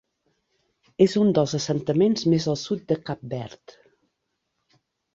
És un dels assentaments més al sud de Cap Verd.